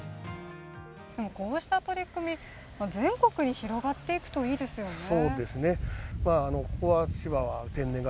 こうした取り組み、全国に広がっていくといいですよね。